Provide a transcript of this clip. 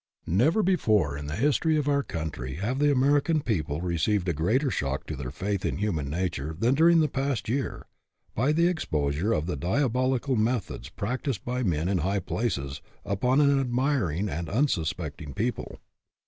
Never before in the history of our country have the American people received a greater shock to their faith in human nature than during the past year, by the exposure of the diabolical methods practised by men in high places upon an admiring and unsuspecting people.